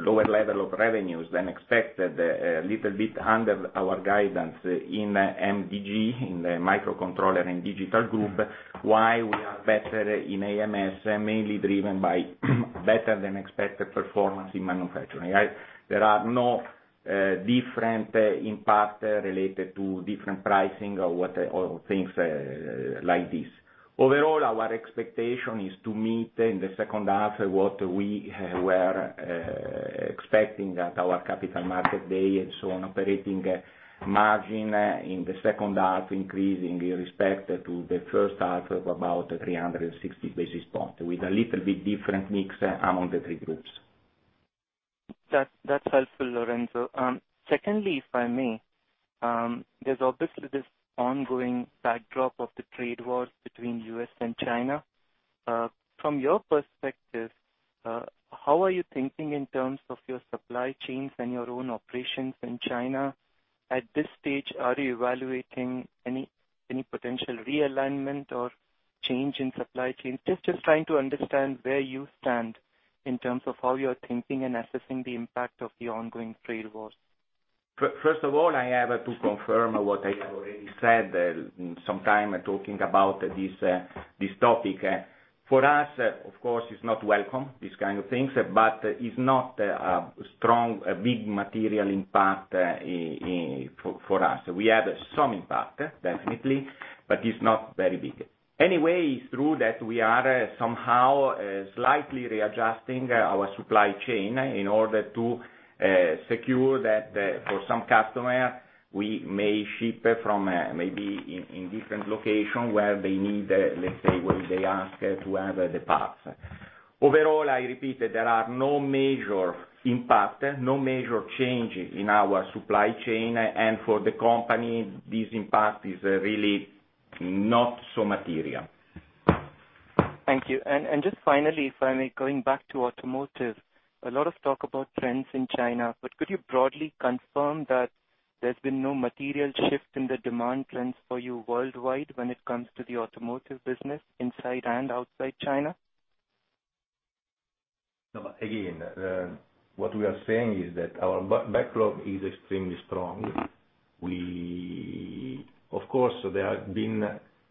Speaker 8: lower level of revenues than expected, a little bit under our guidance in MDG, in the Microcontrollers and Digital ICs Group. Why we are better in AMS, mainly driven by better than expected performance in manufacturing. There are no different impact related to different pricing or things like this. Overall, our expectation is to meet in the second half what we were expecting at our capital market day and so on, operating margin in the second half increasing in respect to the first half of about 360 basis point, with a little bit different mix among the three groups.
Speaker 19: That's helpful, Lorenzo. If I may, there's obviously this ongoing backdrop of the trade wars between U.S. and China. From your perspective, how are you thinking in terms of your supply chains and your own operations in China? At this stage, are you evaluating any potential realignment or change in supply chain? Just trying to understand where you stand in terms of how you're thinking and assessing the impact of the ongoing trade wars.
Speaker 8: I have to confirm what I have already said some time talking about this topic. For us, of course, it's not welcome, these kind of things, but it's not a strong, big material impact for us. We have some impact, definitely, but it's not very big. It's true that we are somehow slightly readjusting our supply chain in order to secure that for some customer, we may ship from maybe in different location where they need, let's say, where they ask to have the parts. I repeat that there are no major impact, no major change in our supply chain. For the company, this impact is really not so material.
Speaker 19: Thank you. Just finally, if I may, going back to automotive. A lot of talk about trends in China. Could you broadly confirm that there's been no material shift in the demand trends for you worldwide when it comes to the automotive business inside and outside China?
Speaker 8: What we are saying is that our backlog is extremely strong. Of course, there have been,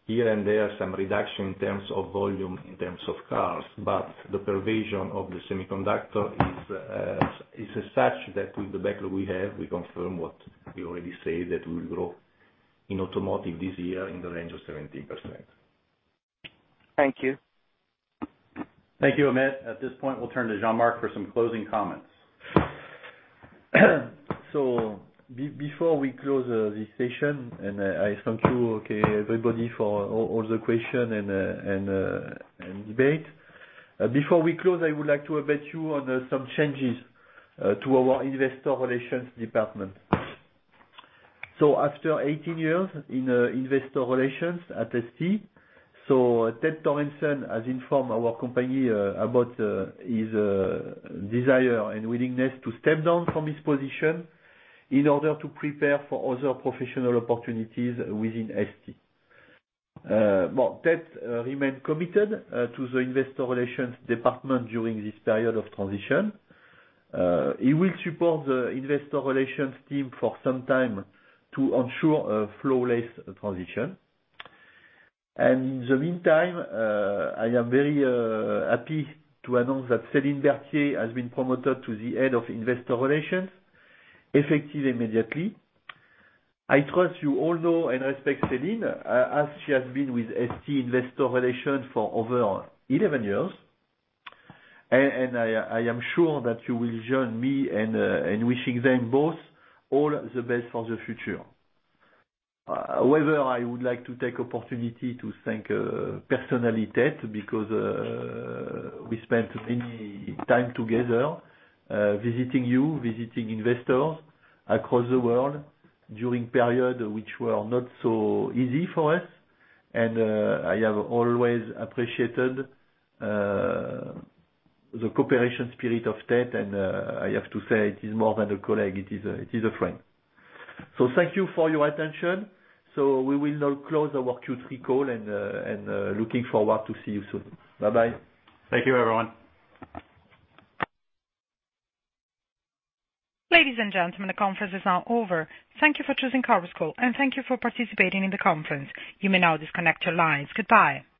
Speaker 8: here and there, some reduction in terms of volume, in terms of cars. The provision of the semiconductor is such that with the backlog we have, we confirm what we already say, that we will grow in automotive this year in the range of 17%.
Speaker 19: Thank you.
Speaker 2: Thank you, Amit. At this point, we will turn to Jean-Marc for some closing comments.
Speaker 3: Before we close this session, I thank you, okay, everybody, for all the questions and debates. Before we close, I would like to update you on some changes to our investor relations department. After 18 years in investor relations at ST, Tait Sorensen has informed our company about his desire and willingness to step down from his position in order to prepare for other professional opportunities within ST. Tait remains committed to the investor relations department during this period of transition. He will support the investor relations team for some time to ensure a flawless transition. In the meantime, I am very happy to announce that Céline Berthier has been promoted to the head of investor relations effective immediately. I trust you all know and respect Céline, as she has been with ST investor relations for over 11 years. I am sure that you will join me in wishing them both all the best for the future. However, I would like to take the opportunity to thank personally Tait, because we spent much time together, visiting you, visiting investors across the world during periods which were not so easy for us. I have always appreciated the cooperation spirit of Tait, and I have to say it is more than a colleague, it is a friend. Thank you for your attention. We will now close our Q3 call, and looking forward to see you soon. Bye-bye.
Speaker 2: Thank you, everyone.
Speaker 1: Ladies and gentlemen, the conference is now over. Thank you for choosing Conference Call, and thank you for participating in the conference. You may now disconnect your lines. Goodbye.